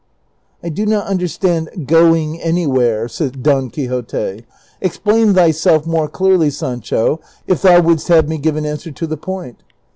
" I do not understand ' going anywhere,' " said Don Quixote ;" explain thyself more clearly, Sancho, if thou wouldst have me give an answer to the point."